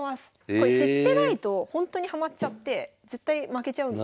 これ知ってないとほんとにハマっちゃって絶対負けちゃうので。